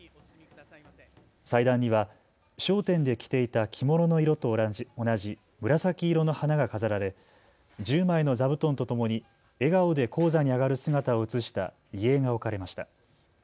祭壇には笑点で着ていた着物の色と同じ紫色の花が飾られ１０枚の座布団とともに笑顔で高座に上がる姿を写した遺影が置かれました。